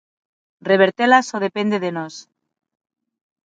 Revertela só depende de nós.